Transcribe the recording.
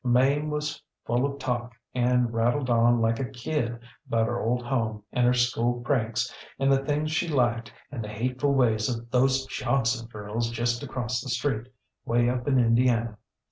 Mame was full of talk and rattled on like a kid about her old home and her school pranks and the things she liked and the hateful ways of those Johnson girls just across the street, ŌĆśway up in Indiana.